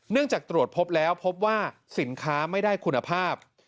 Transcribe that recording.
จากตรวจพบแล้วพบว่าสินค้าไม่ได้คุณภาพ